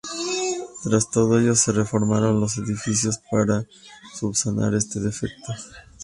Tras todo ello se reformaron los edificios para subsanar este defecto.